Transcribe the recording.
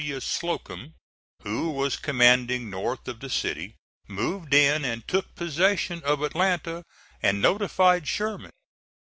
W. Slocum, who was commanding north of the city, moved in and took possession of Atlanta, and notified Sherman.